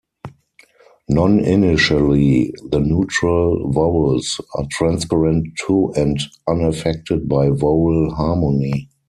Non-initially, the neutral vowels are transparent to and unaffected by vowel harmony.